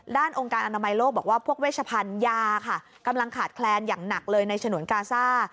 องค์การอนามัยโลกบอกว่าพวกเวชพันธุ์ยาค่ะกำลังขาดแคลนอย่างหนักเลยในฉนวนกาซ่า